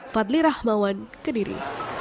fadli rahmawan kediri